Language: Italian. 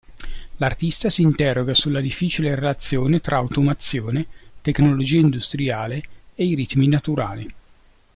L'artista si interroga sulla difficile relazione tra automazione, tecnologia industriale e i ritmi naturali.